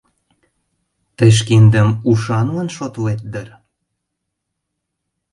Тый шкендым ушанлан шотлет дыр.